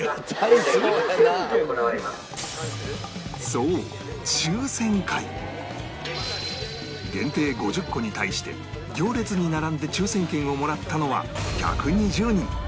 そう限定５０個に対して行列に並んで抽選券をもらったのは１２０人